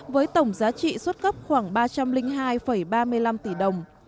với tổng giá trị xuất cấp khoảng ba trăm linh hai ba mươi năm tỷ đồng